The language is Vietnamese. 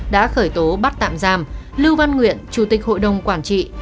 đã khởi tố bắt tạm giam lưu văn nguyện chủ tịch hội đồng quản trị